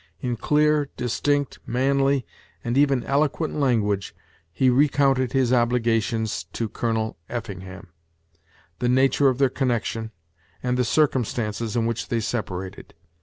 In clear, distinct, manly, and even eloquent language, he recounted his obligations to Colonel Effingham, the nature of their connection, and the circumstances in which they separated.